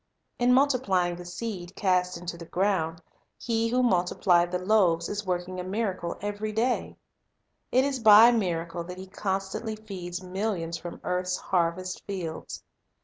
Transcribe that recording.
In multiplying the seed cast into the guound, He who multiplied the io8 Nature Teaching loaves is working a miracle every day. It is by a miracle that He constantly feeds millions from earth's harvest fields.